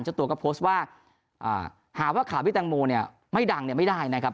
เจ้าตัวก็โพสต์ว่าหาว่าข่าวพี่แตงโมเนี่ยไม่ดังเนี่ยไม่ได้นะครับ